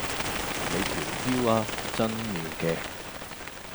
你條腰吖真妙嘅